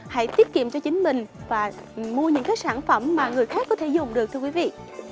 hãy tiết kiệm cho chính mình và mua những cái sản phẩm mà người khác có thể dùng được thưa quý vị